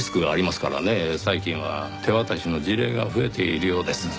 最近は手渡しの事例が増えているようです。